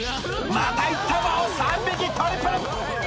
またいったぞ３匹トリプル！